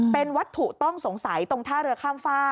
เป็นวัตถุต้องสงสัยตรงท่าเรือข้ามฝ้า